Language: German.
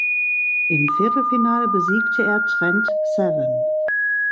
Im Viertelfinale besiegte er Trent Seven.